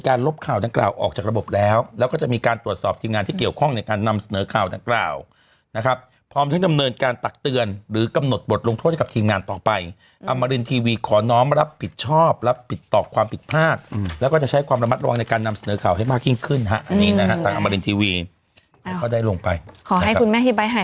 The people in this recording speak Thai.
การลบข่าวดังกล่าวออกจากระบบแล้วแล้วก็จะมีการตรวจสอบทีมงานที่เกี่ยวข้องในการนำเสนอข่าวดังกล่าวนะครับพร้อมทั้งจำเนินการตักเตือนหรือกำหนดบทลงโทษกับทีมงานต่อไปอมารินทีวีขอน้องมารับผิดชอบรับผิดต่อความผิดพากษ์แล้วก็จะใช้ความระมัดรองในการนำเสนอข่าวให้มากยิ่งขึ้นฮะอันนี้